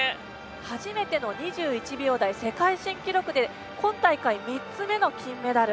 初めての２１秒台世界新記録で今大会３つ目の金メダル。